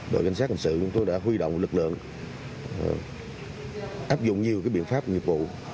đội cảnh sát hành sự đã huy động lực lượng áp dụng nhiều biện pháp nhiệm vụ